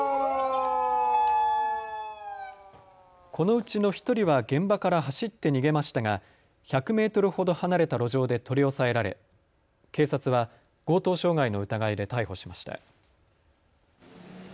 このうちの１人は現場から走って逃げましたが１００メートルほど離れた路上で取り押さえられ警察は強盗傷害の疑いで逮捕しました。